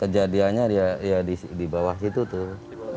kejadiannya ya di bawah situ tuh